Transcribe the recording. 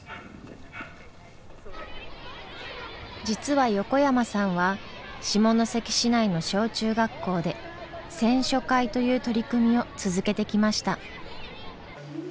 実は横山さんは下関市内の小中学校で選書会という取り組みを続けてきました。